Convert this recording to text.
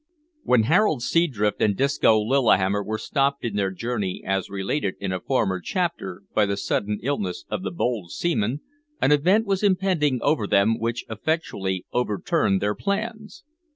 When Harold Seadrift and Disco Lillihammer were stopped in their journey, as related in a former chapter, by the sudden illness of the bold seaman, an event was impending over them which effectually overturned their plans.